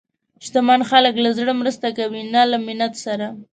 شتمن خلک له زړه مرسته کوي، نه له منت سره.